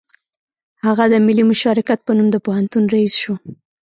هغه د ملي مشارکت په نوم د پوهنتون رییس شو